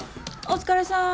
お疲れさん。